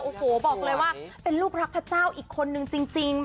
โอ้โหบอกเลยว่าเป็นลูกรักพระเจ้าอีกคนนึงจริง